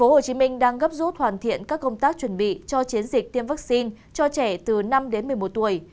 hồ chí minh đang gấp rút hoàn thiện các công tác chuẩn bị cho chiến dịch tiêm vaccine cho trẻ từ năm đến một mươi một tuổi